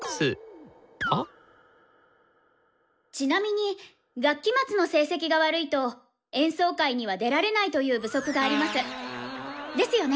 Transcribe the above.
ちなみに学期末の成績が悪いと演奏会には出られないという部則があります。ですよね？